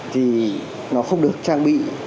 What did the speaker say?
thì nó không được trang bị